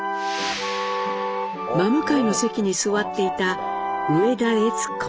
真向かいの席に座っていた植田悦子。